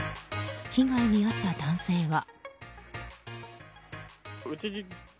被害に遭った男性は。